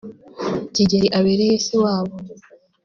Kigeli abereye se wabo